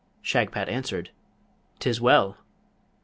Shagpat answered, ''Tis well!'